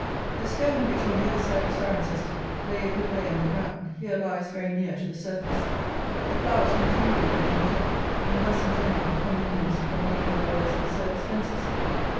The stone, which, on the other side of Cirencester, lay a good way under ground, here lies very near to the surface. The plough is continually bringing it up, and thus, in general, come the means of making the walls that serve as fences.